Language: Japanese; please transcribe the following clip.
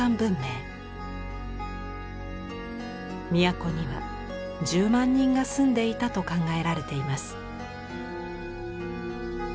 都には１０万人が住んでいたと考えられています。